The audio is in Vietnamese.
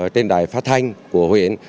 trên đài phát thanh của huyện